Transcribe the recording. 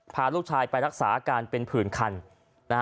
พาลูกชายไปรักษาการเป็นผื่นคัน